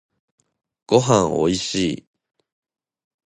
ごはんおいしい